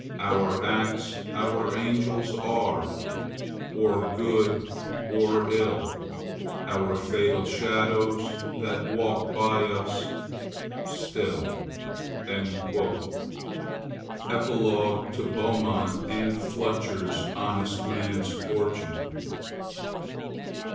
Our acts our angels are, or good or ill, Our fatal shadows that walk by us still." _Epilogue to Beaumont and Fletcher's Honest Man's Fortune.